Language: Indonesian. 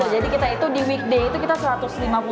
jadi kita itu di weekday itu kita rp satu ratus lima puluh